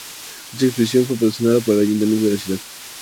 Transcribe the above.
Dicha exposición fue patrocinada por el Ayuntamiento de la ciudad.